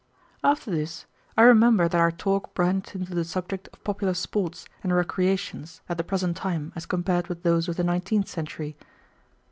After this I remember that our talk branched into the subject of popular sports and recreations at the present time as compared with those of the nineteenth century.